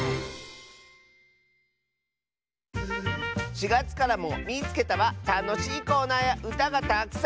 ４がつからも「みいつけた！」はたのしいコーナーやうたがたくさん！